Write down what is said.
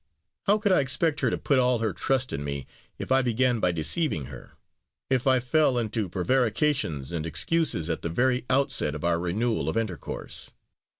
How could I expect her to put all her trust in me if I began by deceiving her if I fell into prevarications and excuses at the very outset of our renewal of intercourse?